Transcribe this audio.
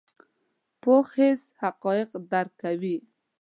پوخ حس حقایق درک کوي